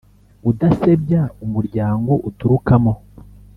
udasebya umuryango uturukamo